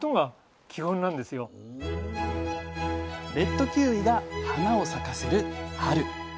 レッドキウイが花を咲かせる春。